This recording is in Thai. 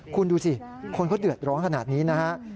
คุณดูสิคนเขาเดือดร้อนขนาดนี้นะฮะ